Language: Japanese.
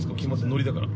◆ノリだから。